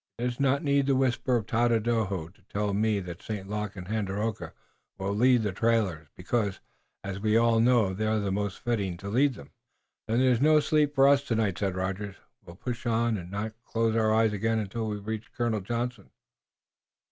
It does not need the whisper of Tododaho to tell me that St. Luc and Tandakora will lead the trailers, because, as we all know, they are most fitting to lead them." "Then there's no sleep for us tonight," said Rogers; "we'll push on and not close our eyes again until we reach Colonel Johnson."